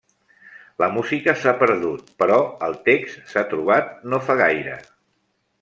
La música s'ha perdut, però el text s'ha trobat no fa gaire.